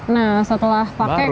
nah setelah pake kan